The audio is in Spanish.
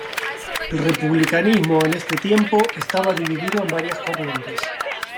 El republicanismo, en este tiempo, estaba dividido en varias corrientes.